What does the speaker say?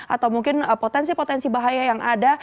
atau mungkin potensi potensi bahaya yang ada